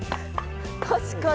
確かに。